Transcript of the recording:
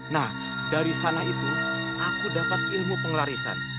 nah dari sana itu aku dapat ilmu pengelarisan